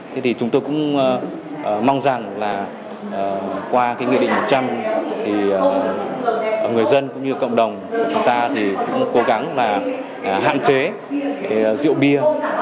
thế thì chúng tôi cũng mong rằng là qua cái nghị định một trăm linh thì người dân cũng như cộng đồng chúng ta thì cũng cố gắng là hạn chế rượu bia